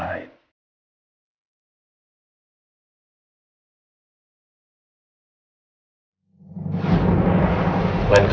lain kali jangan ngebenteng ya